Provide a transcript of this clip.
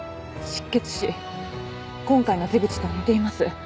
失血死今回の手口と似ています。